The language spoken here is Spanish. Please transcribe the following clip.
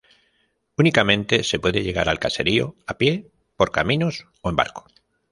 Únicamente se puede llegar al caserío a pie por caminos o en barco.